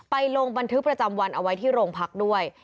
ลงบันทึกประจำวันเอาไว้ที่โรงพักด้วย